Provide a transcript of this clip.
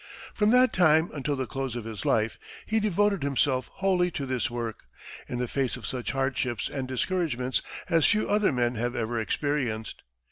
From that time until the close of his life, he devoted himself wholly to this work, in the face of such hardships and discouragements as few other men have ever experienced.